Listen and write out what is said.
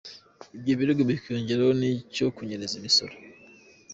Ibyo birego bikiyongeraho n'icyo kunyereza imisoro.